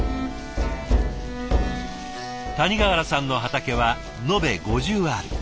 谷川原さんの畑は延べ５０アール。